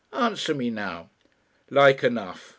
Answer me now." "Like enough.